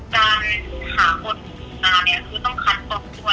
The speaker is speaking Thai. จากหาควบคุณภาพนี้คือต้องคัดปลอดภัย